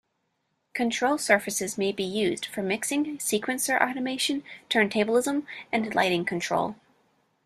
Control surfaces may be used for mixing, sequencer automation, turntablism, and lighting control.